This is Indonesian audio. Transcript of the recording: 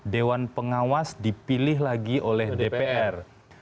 dewan pengawas dipilih lagi oleh dpr